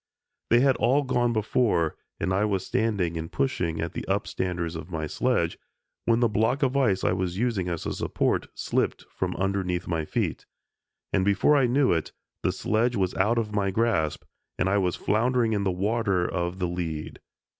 They had all gone before, and I was standing and pushing at the upstanders of my sledge, when the block of ice I was using as a support slipped from underneath my feet, and before I knew it the sledge was out of my grasp, and I was floundering in the water of the lead.